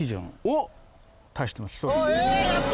やった！